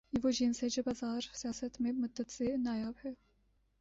یہ وہ جنس ہے جو بازار سیاست میں مدت سے نایاب ہے۔